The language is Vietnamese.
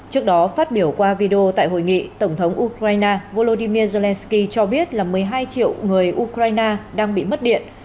trước đó phát biểu qua video tại hội nghị tổng thống ukraine volodymyr zelensky cho biết là một mươi hai triệu người ukraine đang bị mất điện